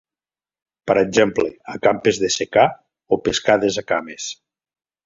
Per exemple, "acampes de secà" o "pescades a cames".